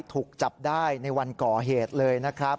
ถูกจับได้ในวันก่อเหตุเลยนะครับ